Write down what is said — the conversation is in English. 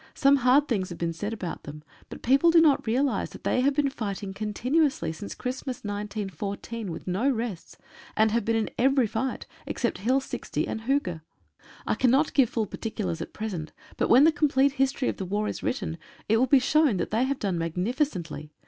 Some hard things have been said about them, but people do not realise that they have been righting continuously since Christmas 1914, with no rests, and have been in every fight except Hill 60 and Hooge. I cannot give 147 RUMOURS OF CHANGES. full particulars at present, but when the complete history of the war is written it will be shown that they have done magnificently.